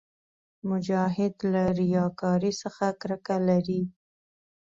مجاهد له ریاکارۍ څخه کرکه لري.